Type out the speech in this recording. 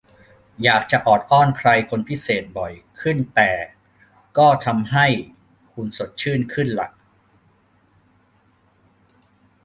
อยากจะออดอ้อนใครคนพิเศษบ่อยขึ้นแต่ก็ทำให้คุณสดชื่นขึ้นล่ะ